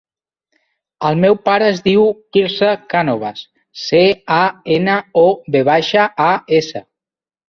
El meu pare es diu Quirze Canovas: ce, a, ena, o, ve baixa, a, essa.